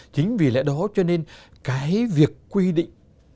chính vì lẽ đó cho nên việc quy định